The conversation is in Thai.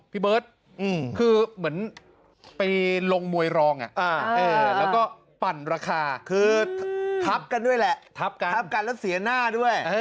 พี่เบิ๊ด